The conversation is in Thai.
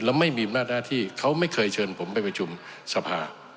แล้วไม่มีอำนาจหน้าที่เขาไม่เคยเชิญผมไปประชุมสภา